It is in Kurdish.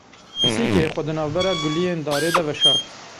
Pisîkê, xwe di navbera guliyên darê de veşart.